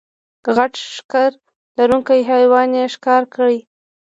غټ ښکر لرونکی حیوان یې ښکار کړ.